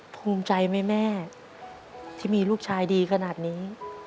ภูมิใจไหมแม่ที่มีลูกชายดีขนาดนี้